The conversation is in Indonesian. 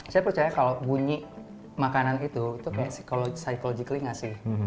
saya percaya kalau bunyi makanan itu itu kayak psikologically nggak sih